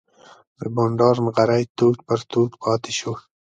د بانډار نغری تود پر تود پاتې شو.